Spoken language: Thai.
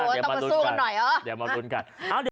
อ๋อต้องมาสู้กันหน่อยอ่ะเดี๋ยวมารุนกัน